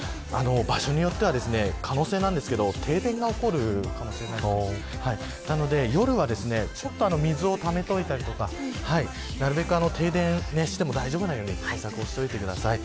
場所によっては可能性なんですけど、停電が起こるかもしれないのでなので夜はちょっと水をためておいたりとか停電しても大丈夫なように対策をしておいてください。